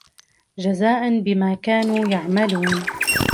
جزاء بما كانوا يعملون